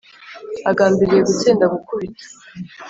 Agambiriye gutsinda gukubita